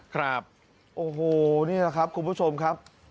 ครับโอ้โหนี่แหละครับคุณผู้ชมครับ